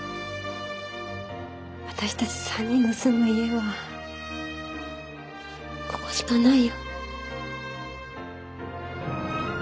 私たち三人の住む家はここしかないよ。